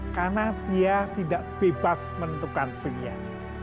karena dia tidak bebas menentukan pilihan